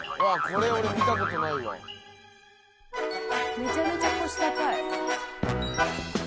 めちゃめちゃ腰高い。